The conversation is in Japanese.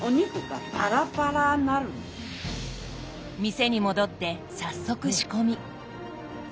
店に戻って早速仕込み。